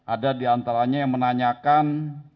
ada di antaranya yang menanyakan